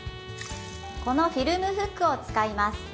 このフィルムフックを使います